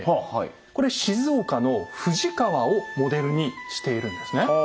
これ静岡の富士川をモデルにしているんですね。